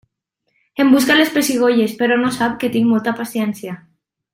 Em busca les pessigolles, però no sap que tinc molta paciència.